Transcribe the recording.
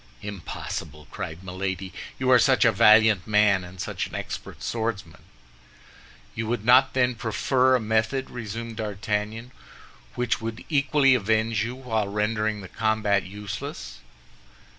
"Impossible!" cried Milady, "you are such a valiant man, and such an expert swordsman." "You would not, then, prefer a method," resumed D'Artagnan, "which would equally avenge you while rendering the combat useless?"